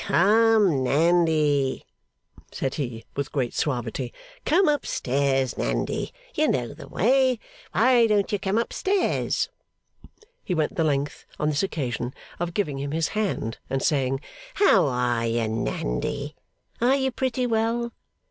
'Come, Nandy!' said he, with great suavity. 'Come up stairs, Nandy; you know the way; why don't you come up stairs?' He went the length, on this occasion, of giving him his hand and saying, 'How are you, Nandy? Are you pretty well?